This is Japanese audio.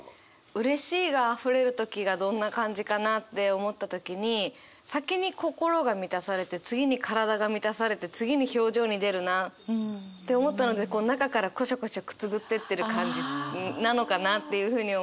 うれしいがあふれる時がどんな感じかなって思った時に先に心が満たされて次に体が満たされて次に表情に出るなって思ったのでこう中からコショコショくすぐってってる感じなのかなっていうふうに思って。